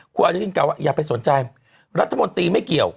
คุณอนุทินกล่าวว่าอย่าไปสนใจรัฐมนตรีไม่เกี่ยว